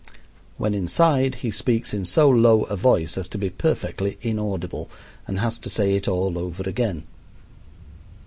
When inside he speaks in so low a voice as to be perfectly inaudible, and has to say it all over again.